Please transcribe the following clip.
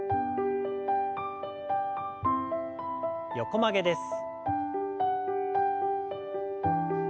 横曲げです。